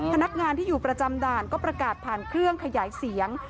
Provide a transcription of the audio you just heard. พนักงานที่อยู่ประจำด่านก็ประกาศผ่านเครื่องขยายเสียง